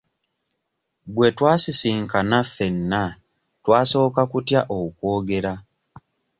Bwe twasisinkana ffenna twasooka kutya okwogera.